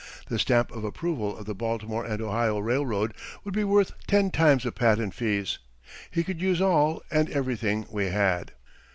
The stamp of approval of the Baltimore and Ohio Railroad would be worth ten times the patent fees. He could use all, and everything, we had.